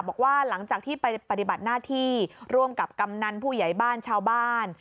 บอกว่าหลังจากที่ไปปฏิบัติหน้าที่ร่วมกับกำนันผู้ใหญ่บ้านชาวบ้าน